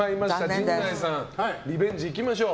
陣内さん、リベンジ行きましょう。